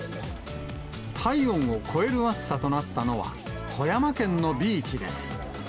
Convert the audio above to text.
体温を超える暑さとなったのは、富山県のビーチです。